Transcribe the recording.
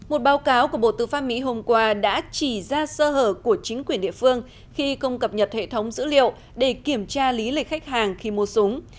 một báo cáo của bộ tư pháp mỹ hôm qua đã chỉ ra sơ hở của chính quyền địa phương khi không cập nhật hệ thống dữ liệu để kiểm tra lý lịch khách hàng khi mua súng